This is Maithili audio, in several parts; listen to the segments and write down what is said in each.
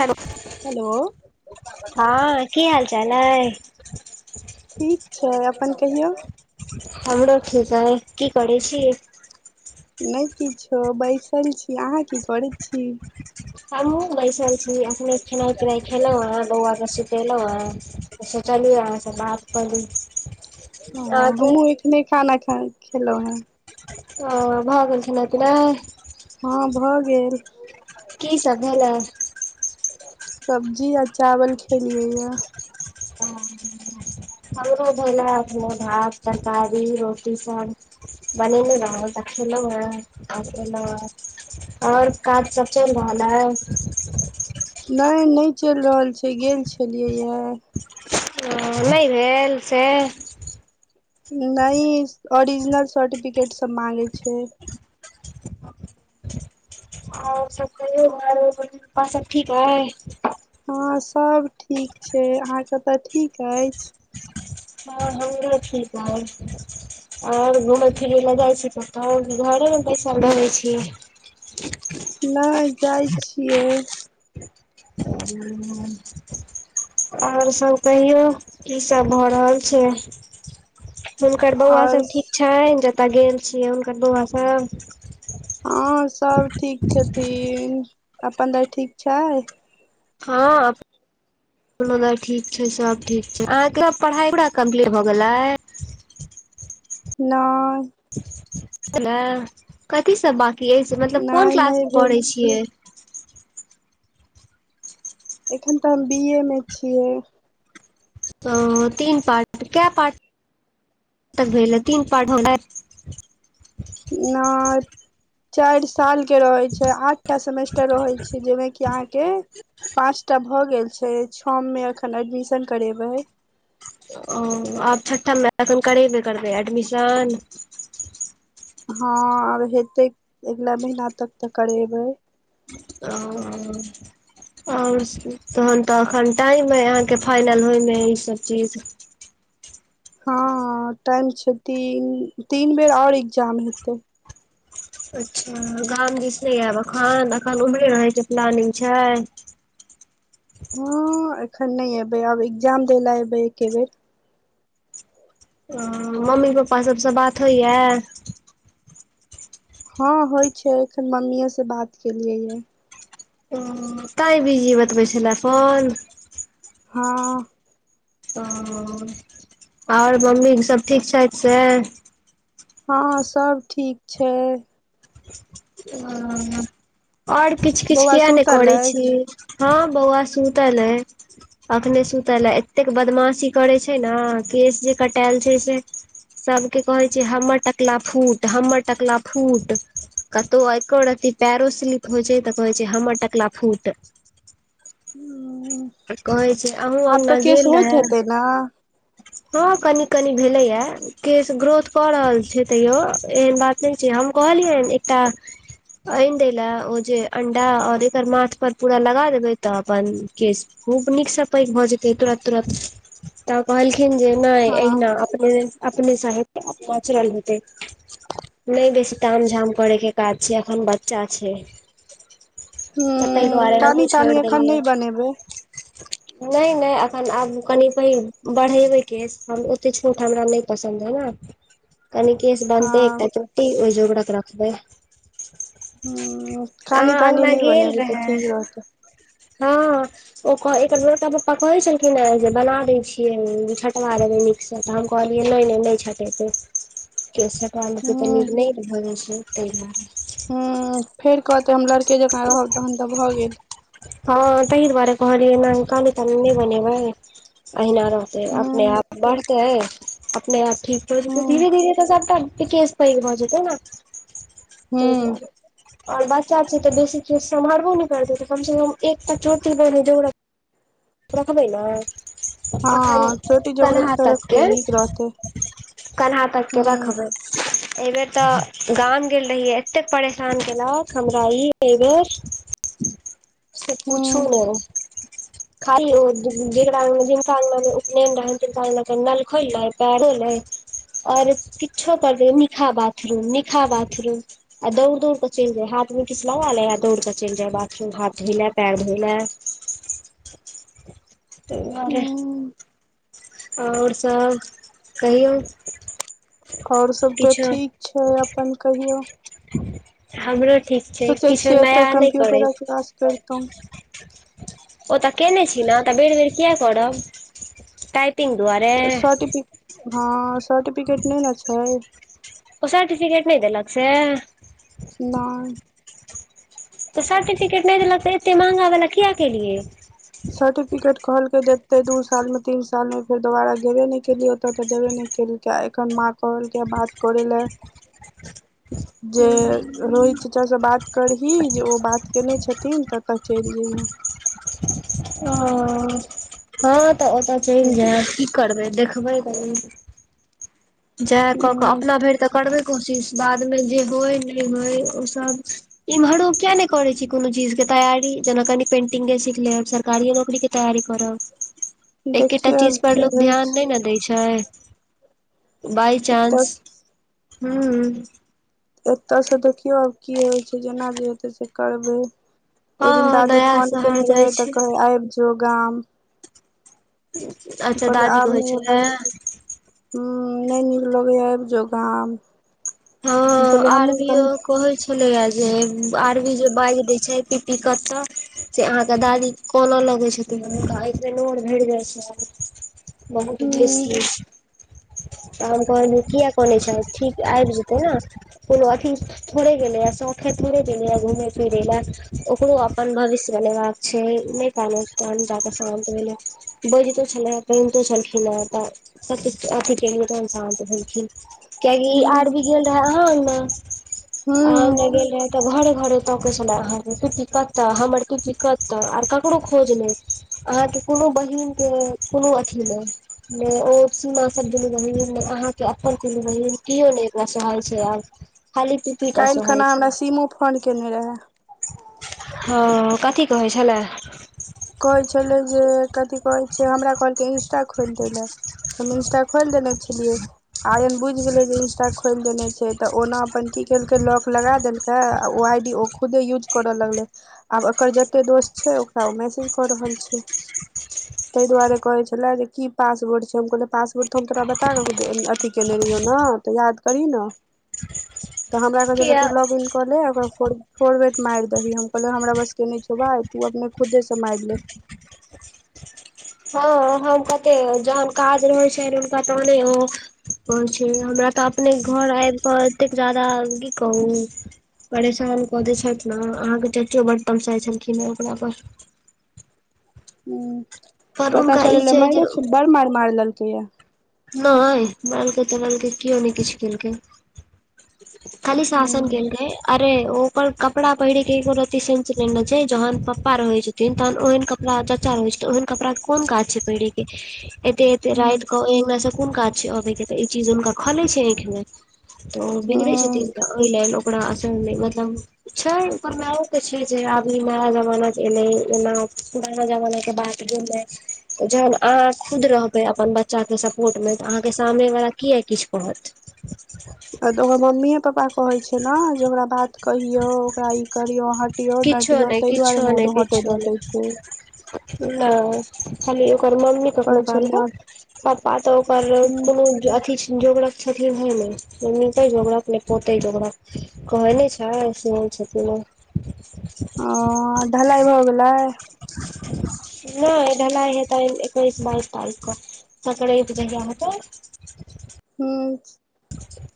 हेलो हेलो हँ की हालचाल हइ ठीक छै अपन कहियौ हमरो ठिक अइ की करै छी नहि किछो बैसल छी अहाँ की करै छी हमहुँ बैसल छी अपने खेनाइ पिनाइ खेलहुँ है बौआ के सुतेलहुँ है सोचलिए अहाँ सँ बात कऽ ली ह अहाँके हमहुँ एखने खाना ख खेलहुॅं हे ओ भऽ गेल खेनाइ पिनाइ हँ भऽ गेल की सब भेलै सब्जी आ चावल खेलियै य आ [inaudible] हमरो भेल अखने भात तरकारी रोटी सब बनेने रहौ त खेलौ ह और एलो ह और काज सब चइल रहलये नहि नहि चलि रहल छै गेल छलियै य ओ नहि भेल से नहि ओरिजिनल सर्टिफिकेट सब मांगे छै ओर सब कहयो [unintelligible] और सब ठीक है हँ सभ ठीक छै अहाँके ओतऽ ठीक अछि हँ होमरो ठीक हइ ओर घूमै फिरै लए जाइ छी कतो की कह घरे मे बैसल रहैय छी ने जाइ छियै [inaudible] ओर सभ कहियौ की सभ भ रहल छै हुनकर बौआ आओर सभ ठीक छैन जतय गेल छियै हुनकर बौआ सभ हँ सब ठीक छथिन अपन दाय ठीक छै हँ ठीक छै सब ठीक छै अहाँके पढ़ाई पूरा कम्प्लीट भ गेले नइ [unintelligible] कथीसँ बाँकी अछि मतलब कोन नहि नहि क्लासमे भेल पढ़ैय छै। छियै एखन तऽ हम बी ए मे छियै ओ तीन पार्ट केय पार्ट तक भेलै तीन पार्ट नय चारि साल के रहै छै आठटा सेमेस्टर रहै छै जयहिमे कि अहाँके पाँंचटा भए गेल छै छ मे अखन एडमिशन करेबै ओ आब छ्ठम पे एखन करेब करबैे एडमिशन हँ आब हेते अगला महीना तक तऽ करेबै ओ और तहन तऽ एखन टाइम यह अहाँके फाइनल होइमे ईसभ चीज हँ टाइम छै तीन तीन बेर और एग्जाम हेते अच्छा गाम दिस नै आयब एखन एखन उम्हरे रहै के प्लानिंग छै हँ एखन नहि एबै आब एग्जाम दै ले एबै एके बेर ओ मम्मी पपा सभसँ बात होइ यऽ हँ होइ छै एखन मम्मीए से बात केलियै य तइ बीजी बतबै छलै फोन हँ हं आओर मम्मी सब ठीक छथि से हँ सब ठीक छै ह आओर किछु किछु बौआ किया ने सुतल करै छी अछि हँ बौआ सुतल अय अखने सुतल लए एतेक बदमाशी करै छै ने केश जे कटायल छै से सभके कहै छै हमर टकला फूट हमर टकला फूट कतहु एकर अथ पेरोसलिप होइ छै तऽ कहै छै हमर टकला फुट ह तऽ कहै छी अहुँ अङ्गना गेल रहै ना हँ कनी कनी भेलैया केस ग्रोथ कऽ रहल छै तैयो एहन बात नहि छै हम कहलियनि एकटा आनि दै लए ओ जे अंडा आओर एकर माथ पर पूरा लगा देबै तऽ अपन केश खूब नीकसँ पैघ भऽ जेतै तुरत तुरंत कहलखिन जे नहि हँ एहिना अपने अपनेसँ हेत नचरल हेतै नहि बेसी ताम झाम करयके काज छै एखन बच्चा छै तऽ ताहि ह दुआरे हमहूँ कानी तानी छोड़ि एखन देलिए नहि बनेबै नहि नहि एखन आबू कनि पहि बढ़ेबै केश ओतेक छोट हमरा नहि पसन्द हइ नऽ कनि केश बानतै हँ एकटा चट्टी ओहि जोगड़ाक रखबै ह अ कानी तानी अङगना नहि गेल बनेबै तऽ रहै ठीक रहतै हँ ओ एकर लोड़का पप्पा कहे छलखिन ह जे बना दय छियै छटवा दे न से तऽ हम कहलियै नहि नहि नहि छटेतै केस ह आके तऽ निर्णय भगै छै ता दुआरे हॅ फेर कहते हम लड़के जकाँ रहब तहन तऽ भऽ गेल हँ ताहि दुआरे कहलियै ने कानी तानी नहि बनेबै अहिना रह त ह अपने आप बढ़तय अपने आप ठीक हो ह जेतै धीरे धीरे तऽ सबटा केस [unintelligible] पैघ म जेतै ने त ह दुओर ओर बस चाची तऽ बेसी केस समहारबो ने करते त कम से कम एकटा चोटी रखबै ने अखैन हँ चोटी जोकरक कन्हा तऽ तकके रखबै नीक रहतै कन्हा ह तकके रखबै [inaudible] एहि बेेर तऽ गाम गेल रहिय एतेक परेशान केलक हमरा ई एहि बेेर [unintelligible] से ह पुछू ने [unintelligible] खाली जिनका अंगग मे उपनयन रहै तिनका अंगना के नल खोलले पैर होले ओर किछो करलिय निकहा बाथरूम निकहा बाथरूम आ दौड़ दौड़ कऽ चलि जाय हाथ में किछ लगा लय आ दौड़ के चलि जाय बाथरूम हाथ धोय ले पएर धोइ ला तहि दुआरे ह आओर सभ कहियौ ओर सब तऽ किछो ठीक छै अपन कहियौ हमरो ठीक छै सोचै किछो छियै एतऽ नया कम्प्यूटरक कलास करितहु ओ तऽ कयने छी ने तऽ बेर बेर किए करब टाइप तऽ सर्टिफिके हँ सर्टिफिकेट नहि ने छै ओ सर्टिफिकेट नहि देलक से नैय तऽ सर्टिफिकेट नहि देलक त एते महंगा बला किया केलियै सर्टिफिकेट कहलके देते दू साल मे तीन साल में फेर दोबारा गेबे नहि केलियै ओते ते देबे नहि केलके एखन माँ कहलक बात कोरे ले [inaudible] जे रोहित चच्चाँ से बात करही जे ओ बात केयने छथिन ततय चलि जेहिये ओ हँ त ओता चैल जायब जइहे की करबै देखबै त जेहए क क अपना भरि त करबे कोशिश बादमे जे होय नहि होय ओसभ इम्हरो किया नहि करे छै कोनो चीज के तैयारी जेना कनि पेंटिंगे सिखले सरकारी नौकरी के तैयारी करब एकेटा देखियौ चीज आब पर की लोग होइ ध्यान छै नहि ने दै छै बइ एतऽ चांस हु एतसँ देखियौ आब की होइ छै जेना जे हेतै से करबै ओहि हँ दिन दादी नया फोन शहर कयने जाइ रहै तऽ छै कहै आबि जो गाम [inaudible] [unintelligible] हूँ कहै छलै नहि नीक लगैया आबि जो गाम। हम हँ कहलियै हमहुँ आरबीओ गाम कहै छै होैया जे आरमी जे बाज दै छै पी पी क त से अहाँके दादी कऽनऽ लगै छै त हुनका अखि में नोर भइर जाइ छै बहुत हूँ बेसी त हम कहल किया कोनै छ ठीक आब जेते तै ने कोनो अथी थोड़े गेलेए शौक ह थोड़े गेले य घूमेे फिरे ला ओकरो अपन भविष्य बनेवाक छै नहि पान तहन जाके शान्त भेले बैजितो छले कनितो छलखिन ओ तऽ सबछ अथी केेलियए तऽ सानंत भेलखिन केलियए आई हूँ भी गेल रहै हन ओन्मे अह नहि हूँ गेल रहे तऽ घरे घरे त कह छलहुी कतऽ हमर त दिक्कत आर ककरो खोज नहि अहाँके कोनो बहिनके कोनो अथी नहि ने ओ सीमा सब दुनू बहिन ने अहाँ के अपन कूनू बहिन कियो नहि सहल छै आ छै आ खाली पी कालि खना हमरा सीमो फोन केयने रहए ह कथी कहै छलै कहै छलै जे कथी कहै छै हमरा कहलकै इंस्टा खोलि दैयलए हम इंस्टा खोलि देने छलियै आ एन बुझ गेले जे इंस्टा खोलि देने छै ते ओना अपन की केलके लॉक लगा देलके ओ आई डी ओ खुदे यूज करऽ लगले आब एकर जते दोस्त छै ओकरा ओ मैसेज कऽ रहल छै [inaudible] ताहि दुआरे कहै छलै जे की पासबोर्ड छै हम कहलियै पासबोर्ड तऽ हम तोरा बताकऽ अथी कयने रहियौ ने तऽ याद करी न ह तऽ हमरा तू लॉगन कहलै आऔर फॉर्गेट मायर दिहि हम कहलै हमरा बसके नहि छौबा तू अपने खुदेसँ मारि ले हँ हम कहते जहन काज रहै छै तने ओ कहै छी हमरा तऽ अपने घर आबि कऽ एतेक जादा की कहू परेशान कऽ द छथि ने अहाँके चचो बड तमसाइत छलखिन हँ ओकरा पर ह पर पता हुनका ई चलल छै जे माररो ख बड़ मार मार लेलकै या नहि मालके तालके कओ नहि किछ केलकै खाली शासन हूँ केलकय अरे ओ कपड़ा पहिरे के एको रती सेचरी छै जहान पप्पा रहइ छै न तहन ओहन कपड़ा चचा रहे छै त ओहन कपड़ा के कोन काज छै पहिरे के ऐत ऐत हूँ राइत को ओ ए ओनकासँ कोन काज छै अबैके त ई चीज हुनका खलै छै आँखिमे त ओ बिगड़ै हूँ छथिन ओहि ले ओकरा [unintelligible] मतलब छै पर मैओ के छै जे अब ई नया जमाना के एले एना पुराना जमाना के बात गेले जहन अहाँ खुद रहबै अपन बच्चा के सब [unintelligible] अहाँके सामने वाला की य किछ कहत आ तऽ ओकर मम्मीए पप्पा कहे छै ने जे ओकरा बात कहियो ओकरा ई करियो हटियो किछो डटियो नहि ताहि दुआरे किछो नहि ने हटे किछो डटे नहि छै नहि खाली ओकर मम्मी कखनो कहै छै काल के मार पपा तऽ ओकर हूँ कोनो अथि जोगर छथिन हेय नइ निपैय जोगरक नय पोते जोगरक कहे ने छै नइ सेहो छथिन ओ हँ ढलाई भऽ गेलै [unintelligible] नहि ढलाइ हेतै एकैस बाइस तारीखके सक्राइत जहिआ होेतै [inaudible] हूँ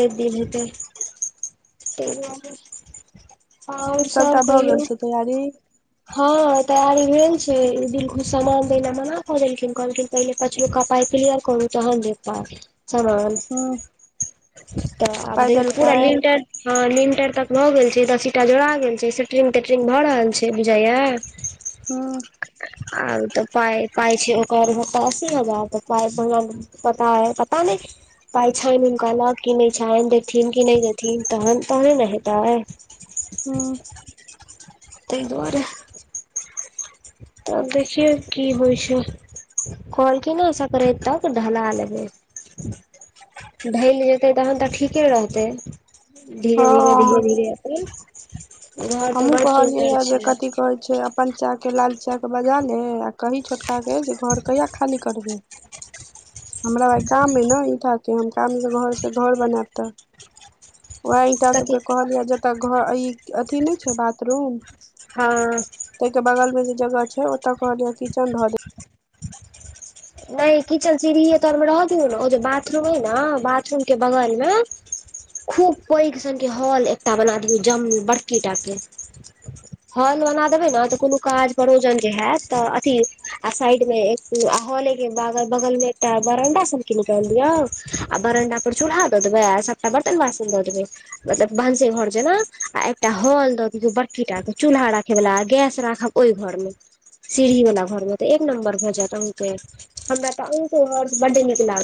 ए दिन हतै ते दुआरे आओर सब सभटा भए कहियौ गेल छै तैयारी हँ तैयारी भेल छै ई दिलखुश समान देय ल मना कऽ देलखिन कहलखिन पहिले पचुल्का पाई क्लियर करू तहन दे पाइ समान हूँ तऽ आब पाइ देख देलकै पूरा लिलटर हँ लिंटर तक भऽ गेल छै दस ईटा जोड़ा गेल छै सेटरिंग तेटरिंग भऽ रहल छै से बुझाइ य हँ आउ तऽ पइ पाइ छी ओकर सत अशी हजार तऽ पइ ब पता है पता नहि पाई छनि हुनका लग क नहि छनि देथिन कि नहि देथिन तहन तहने हेतैय हूँ तहि दुआरे तब देखियौ की होइ छै कहलखिन हन सकराइत तक ढला लेबै ढैल जेतै तखन तऽ ठीके रहतै धीरे धीरे धीरे हँ धीरे अपन घर तऽ हमहूँ बड़ कहलियै सुन्दर ये जे छै कथी कहै छै अपन चाहके लाल चाचाके बजा ले आ कही छोटका के जे घर कहिआ खाली करबी हमरा कम हइ न ईटा हम त ओही ईटा सँ घर से घर बनायब तऽ वएह ईटा कथी सबके कहलिय तऽ घ ई अथी नहि छै बाथरूम हँ ताहि के बगल मे जे जगह छै ओतअ कहलिय किचन धऽ दिह नहि किचन सिड़हिये तरमे रह दिऔ ने ओ जे बथरूम हइ न बथरूम के बगलमे खूब पैघसनके हॉल एकटा बना दियऔ जम बड़की टाके [unintelligible] हॉल बना देबे ने तऽ कोनो काज परोजन जे हयत त अथी आ साइड मे एकू आ हॉल एक बगल बगल मे एकटा बरंडा सबके निकालि दियऔ आ बरंडा पर चूलहा द देवै आ बर्तन बाशन द देबै मतलब भंसे घर जेना आ एकटा हॉल द दियो बड़की टा के चूल्हा रखे वाला गैस राखब ओहि घर मे सीढ़ी वाला घर मे तऽ एक नम्बर भऽ जायत अहाँके हमे तो आहुँ के घर बडे निकि ला